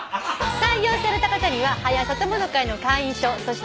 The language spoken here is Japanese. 採用された方には「はや朝友の会」の会員証そして。